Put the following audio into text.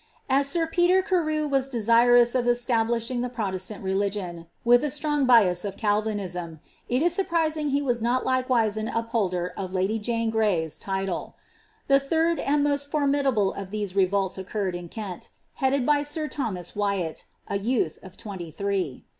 As sir Peter Carew was desirous of establishii^ the Protestant religion, with a strong bias of Calvinism, it is sniprisHig he was not likewise an upholder of lady Jane Gray^s title. The third and most formidable of these revolts occurred in Kent, headed by m Thomas Wyati, a youth of twenty three.